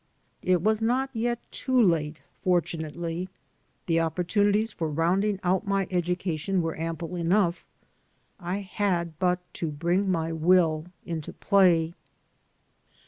It was not yet too late, fortunately. The opportunities for roimding out my , education were ample enough. I had but to bring my will into play.